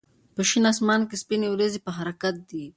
په شین اسمان کې سپینې وريځې په حرکت دي.